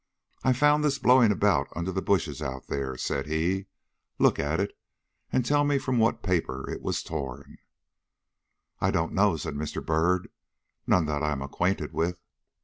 "I found this blowing about under the bushes out there," said he. "Look at it and tell me from what paper it was torn." "I don't know," said Mr. Byrd; "none that I am acquainted with."